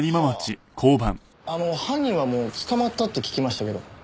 あの犯人はもう捕まったって聞きましたけど。